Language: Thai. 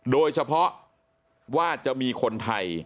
โดยเฉพาะว่าจะมีคนไทย